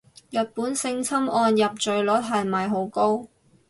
日本性侵案入罪率係咪好高